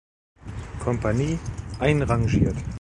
Kompanie einrangiert.